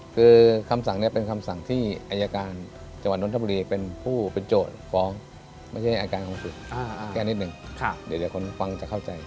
คือคำสั่งนี้เป็นคำสั่งที่อายการจังหวัดนทบุรีเป็นผู้เป็นโจทย์ฟ้องไม่ใช่อายการสูงสุดแก้นิดหนึ่งเดี๋ยวคนฟังจะเข้าใจ